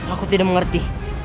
aku tidak mengerti